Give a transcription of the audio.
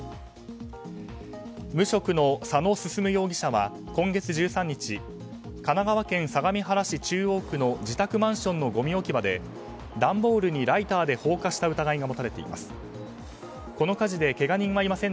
無職の佐野進容疑者は今月１３日神奈川県相模原市中央区の自宅マンションのごみ置き場で段ボールにライターで放火した疑いが持たれています。